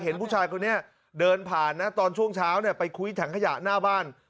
เห็นผู้ชายคนนี้เดินผ่านนะตอนช่วงเช้าไปคุยถังขยะหน้าบ้าน